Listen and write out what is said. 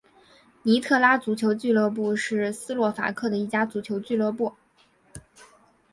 尼特拉足球俱乐部是斯洛伐克的一家足球俱乐部。